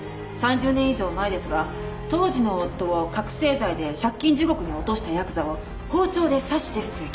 ３０年以上前ですが当時の夫を覚醒剤で借金地獄に落としたヤクザを包丁で刺して服役。